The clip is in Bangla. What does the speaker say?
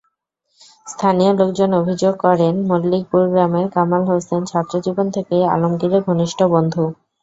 স্থানীয় লোকজন অভিযোগ করেন, মল্লিকপুর গ্রামের কামাল হোসেন ছাত্রজীবন থেকেই আলমগীরের ঘনিষ্ঠ বন্ধু।